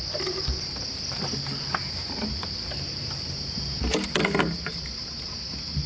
ใช่ครับมันคือหัวซึ่งปรากฏกว่านี้